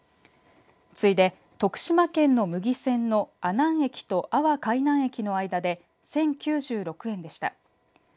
次いで徳島県の牟岐線の阿南駅と阿波海南駅の間で１０９６円でした。